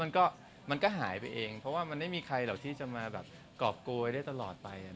แล้วมันก็หายไปเองเพราะว่ามันไม่มีใครที่จะมากรอบโกยได้ตลอดไป